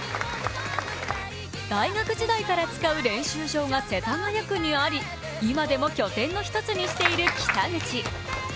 大学時代から使う練習場が世田谷区にあり今でも拠点の１つにしている北口。